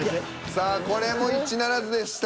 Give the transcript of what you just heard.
さあこれも一致ならずでした。